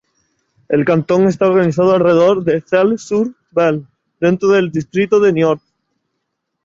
El cantón está organizado alrededor de Celles-sur-Belle dentro del Distrito de Niort.